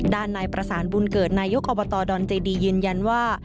ด้านนายประสานบุญเกิดนายกอบตดอนเจดียืนยันว่า